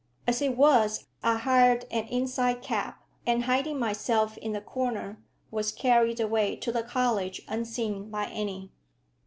As it was, I hired an inside cab, and hiding myself in the corner, was carried away to the college unseen by any.